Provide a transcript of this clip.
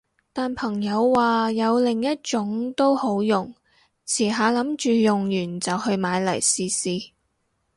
但朋友話有另一種都好用，遲下諗住用完就去買嚟試試